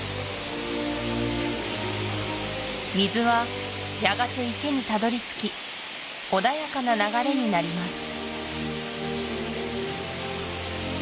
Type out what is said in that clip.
水はやがて池にたどり着き穏やかな流れになります